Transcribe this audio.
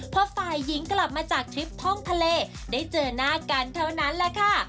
พอฝ่ายหญิงกลับมาจากทริปท่องทะเลได้เจอหน้ากันเท่านั้นแหละค่ะ